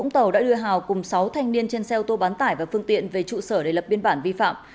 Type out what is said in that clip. sáu thanh niên trên xe ô tô bán tải và phương tiện về trụ sở để lập biên bản vi phạm